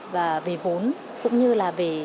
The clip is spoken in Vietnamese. về vốn cũng như là về